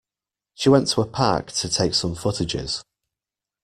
She went to a park to take some footages.